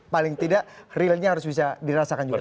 paling tidak realnya harus bisa dirasakan juga